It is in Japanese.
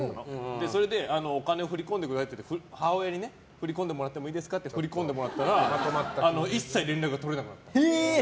それでお金を振り込んでくださいって母親に振り込んでもらってもいいですかって振り込んでもらったら一切連絡が取れなくなったの。